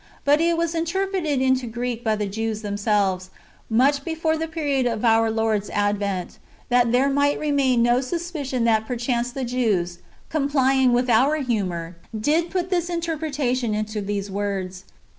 But it was interpreted into Greek by the Jews themselves, much before the period of our Lord's advent, that there might remain no suspicion that perchance the Jews, complying witli our humour, did put this interpre tation upon these words.